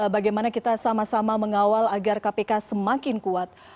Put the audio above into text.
bagaimana kita sama sama mengawal agar kpk semakin kuat